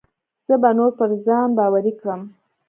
زه به نور پر ځان باوري کړم.